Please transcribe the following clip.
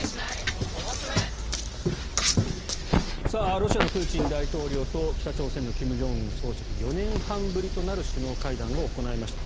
ロシアのプーチン大統領と北朝鮮の金正恩総書記４年半ぶりとなる首脳会談を行いました。